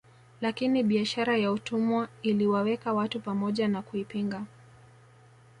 Lakini biashara ya utumwa iliwaweka watu pamoja na kuipinga